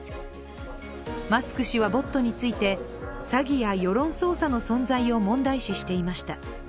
マスク氏はｂｏｔについて詐欺や世論操作の存在を問題視していました。